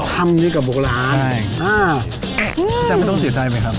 ทำด้วยกับโบราณใช่อ่าอื้อพี่ดาวไม่ต้องสิ่งใจไหมครับ